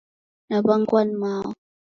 Naw'angwa ni mao